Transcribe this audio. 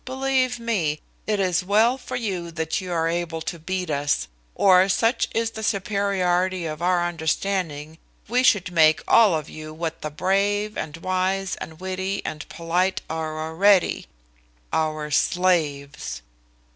Believe me, it is well for you that you are able to beat us; or, such is the superiority of our understanding, we should make all of you what the brave, and wise, and witty, and polite are already our slaves."